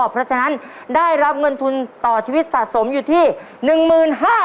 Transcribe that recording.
เพราะฉะนั้นได้รับเงินทุนต่อชีวิตสะสมอยู่ที่๑๕๐๐บาท